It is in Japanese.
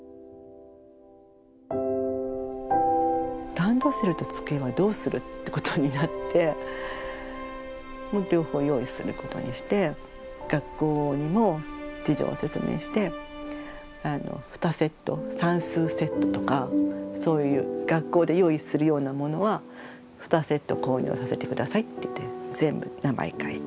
ランドセルと机はどうするってことになって両方用意することにして学校にも事情を説明して２セット算数セットとかそういう学校で用意するようなものは２セット購入させて下さいって言って全部に名前書いて。